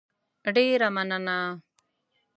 ډېره مننه